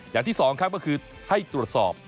อย่างที่สองครับก็คือให้ตรวจสอบ